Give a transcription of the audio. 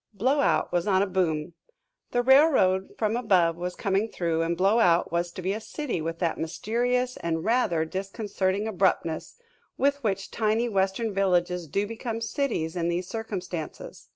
Blowout was on a boom. The railroad from above was coming through, and Blowout was to be a city with that mysterious and rather disconcerting abruptness with which tiny Western villages do become cities in these circumstances.